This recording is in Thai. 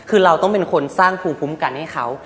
คือเราต้องเป็นคนสร้างภูมิคุ้มกันให้เขา